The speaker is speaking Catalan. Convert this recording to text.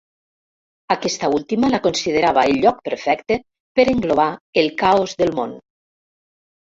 Aquesta última la considerava el lloc perfecte per englobar el caos del món.